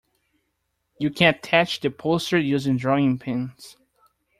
You can attach the poster using drawing pins